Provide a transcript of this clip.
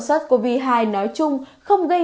sars cov hai nói chung không gây